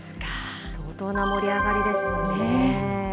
相当な盛り上がりですもんね。